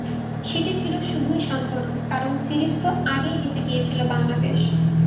সেটি ছিল শুধুই সান্ত্বনা, কারণ সিরিজ তো আগেই জিতে গিয়েছিল বাংলাদেশ।